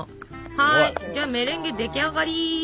はいメレンゲ出来上がり。